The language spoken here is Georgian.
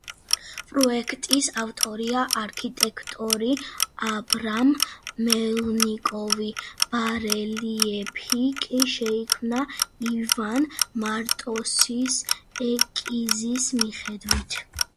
პროექტის ავტორია არქიტექტორი აბრაამ მელნიკოვი, ბარელიეფი კი შეიქმნა ივან მარტოსის ესკიზის მიხედვით.